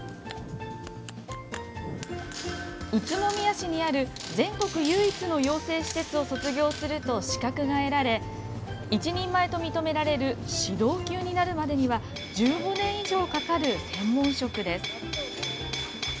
宇都宮市にある全国唯一の養成施設を卒業すると資格が得られ一人前と認められる指導級になるまでには１５年以上かかる専門職です。